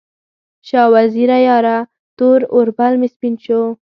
شاه وزیره یاره، تور اوربل مې سپین شو